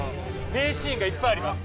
名シーンもいっぱいあります。